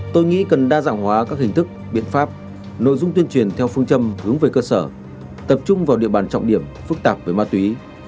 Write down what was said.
tôi nghĩ cần đa dạng hóa các hình thức biện pháp nội dung tuyên truyền theo phương châm hướng về cơ sở tập trung vào địa bàn trọng điểm phức tạp về ma túy